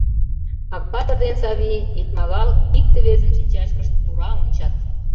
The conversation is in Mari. Акпатыр ден Савий икмагал икте-весын шинчашкышт тура ончат.